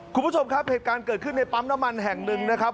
คุณผู้ชมครับเหตุการณ์เกิดขึ้นในปั๊มน้ำมันแห่งหนึ่งนะครับ